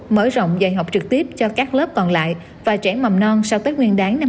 mở rộng dạy học trực tiếp cho các lớp còn lại và trẻ mầm non sau tết nguyên đáng năm hai nghìn hai mươi